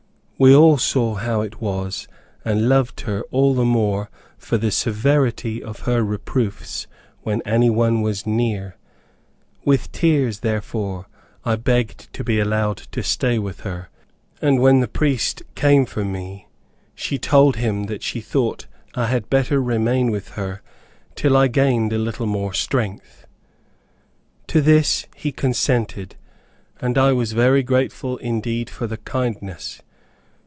We all saw how it was, and loved her all the more for the severity of her reproofs when any one was near. With tears, therefore, I begged to be allowed to stay with her; and when the priest came for me, she told him that she thought I had better remain with her till I gained a little more strength. To this he consented, and I was very grateful indeed for the kindness.